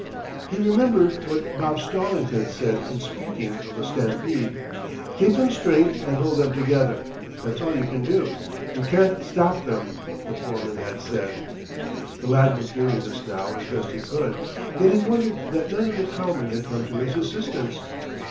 He remembered what Bob Stallings had said in speaking of a stampede. "Keep them straight and hold them together. That's all you can do. You can't stop them," the foreman had said. The lad was doing this now as best he could, yet he wondered that none of the cowmen had come to his assistance.